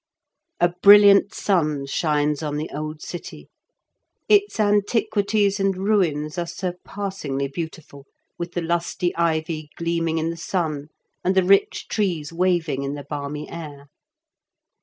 "A brilliant sun shines on the old city. Its antiquities and, ruins are surpassingly beautiful, with the lusty ivy gleaming in the sun, and the rich trees waving in the balmy air.